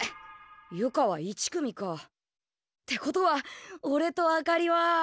由香は１組か。ってことはおれとあかりは。